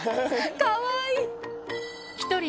かわいい。